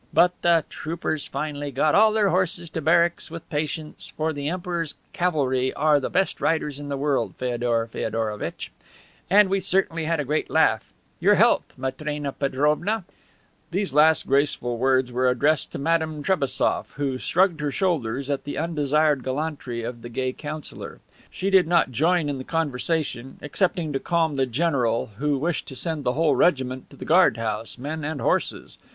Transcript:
But the troopers finally got all their horses to barracks, with patience, for the Emperor's cavalry are the best riders in the world, Feodor Feodorovitch. And we certainly had a great laugh! Your health, Matrena Petrovna." [* The "Barque" is a restaurant on a boat, among the isles, near the Gulf of Finland, on a bank of the Neva.] These last graceful words were addressed to Madame Trebassof, who shrugged her shoulders at the undesired gallantry of the gay Councilor. She did not join in the conversation, excepting to calm the general, who wished to send the whole regiment to the guard house, men and horses.